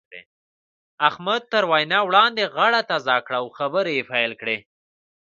احمد تر وينا وړاندې غاړه تازه کړه او خبرې يې پيل کړې.